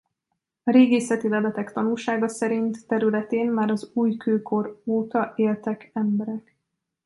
A régészeti leletek tanúsága szerint területén már az újkőkor óta éltek emberek.